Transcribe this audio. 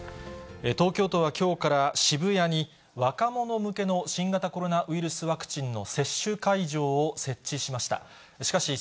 東京都はきょうから渋谷に若者向けの新型コロナウイルスワクチンの接種会場を設置しました。